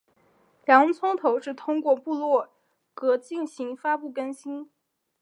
洋葱头是通过部落格进行发布更新。